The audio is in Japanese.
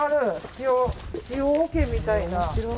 塩桶みたいな。